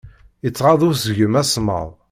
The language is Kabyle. Ittɣaḍ usgen asemmaḍ.